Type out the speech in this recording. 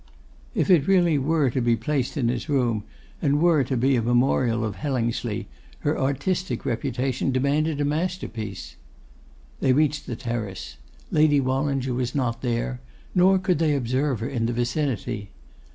If it really were to be placed in his room, and were to be a memorial of Hellingsley, her artistic reputation demanded a masterpiece. They reached the terrace: Lady Wallinger was not there, nor could they observe her in the vicinity.